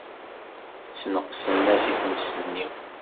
Sneqsen-as i tmes-nni.